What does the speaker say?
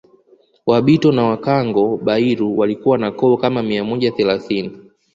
Wabito na Wankango Bairu walikuwa na koo kama mia moja thelathini